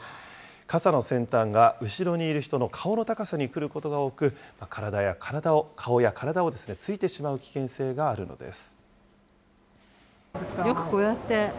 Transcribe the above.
傘の先端が後ろにいる人の顔の高さに来ることが多く、顔や体を突いてしまう危険性があるのです。